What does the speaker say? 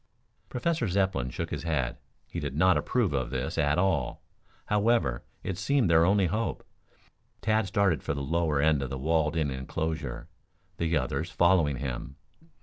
Professor Zepplin shook his head. He did not approve of this at all. However, it seemed their only hope. Tad started for the lower end of the walled in enclosure, the others following him.